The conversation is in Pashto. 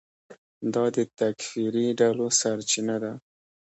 دا د تکفیري ډلو سرچینه ده.